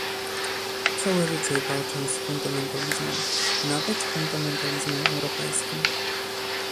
Całe życie walczę z fundamentalizmem, nawet fundamentalizmem europejskim